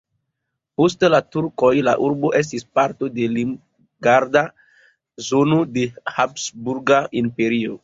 Post la turkoj la urbo estis parto de limgarda zono de Habsburga Imperio.